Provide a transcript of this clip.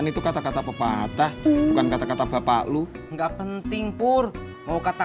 nah gue percaya